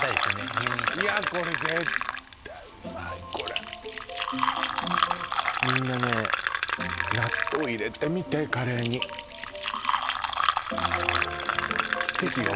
入院した時とかこれ絶対うまいこれみんなね納豆入れてみてカレーにそうなんですよね